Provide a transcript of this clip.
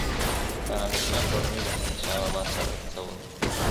د نادر شاه کورنۍ د احمد شاه بابا سره څه وکړل؟